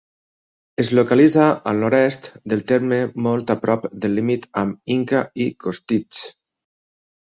Es localitza al nord-est del terme molt a prop del límit amb Inca i Costitx.